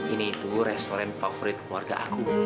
ini itu restoran favorit keluarga aku